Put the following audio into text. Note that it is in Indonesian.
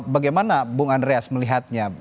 bagaimana bung andreas melihatnya